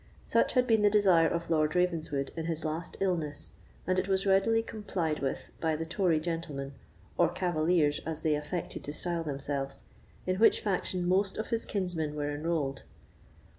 Such had been the desire of Lord Ravenswood in his last illness, and it was readily complied with by the Tory gentlemen, or Cavaliers, as they affected to style themselves, in which faction most of his kinsmen were enrolled.